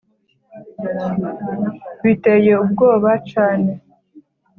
biteye ubwoba cane!